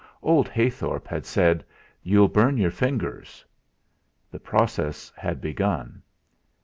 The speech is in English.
Old Heythorp had said: "You'll burn your fingers." The process had begun.